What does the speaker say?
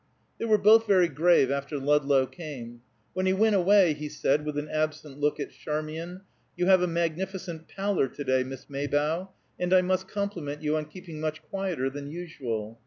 They were both very grave after Ludlow came. When he went away, he said, with an absent look at Charmian, "You have a magnificent pallor to day, Miss Maybough, and I must compliment you on keeping much quieter than usual."